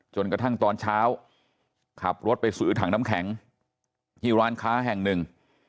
จนกระทั่งตอนเช้าขับรถไปซื้อถังน้ำแข็งที่ร้านค้าแห่งหนึ่ง